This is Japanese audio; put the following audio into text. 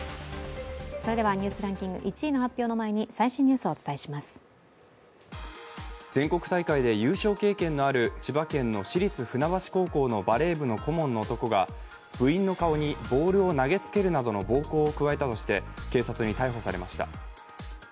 それでは「ニュースランキング」１位の発表の前に最新ニュースをお伝全国大会で優勝経験のある千葉県の市立船橋高校のバレー部の顧問の男が部員の顔にボールを投げつけるなどの暴行を加えたとして警察に逮捕されました。